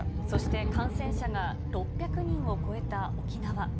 そして、感染者が６００人を超えた沖縄。